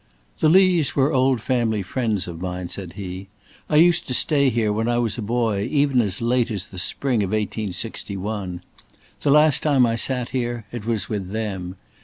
"The Lees were old family friends of mine," said he. "I used to stay here when I was a boy, even as late as the spring of 1861. The last time I sat here, it was with them.